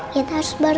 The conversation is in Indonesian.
kita harus berdoa